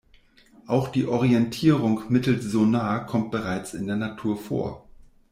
Auch die Orientierung mittels Sonar kommt bereits in der Natur vor.